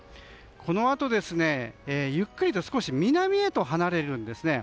このあと、ゆっくりと少し南へと離れるんですね。